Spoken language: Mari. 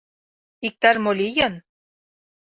Иктаж-мо лийын?